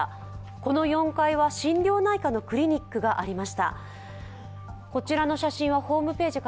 この４階は心療内科のクリニックがありました。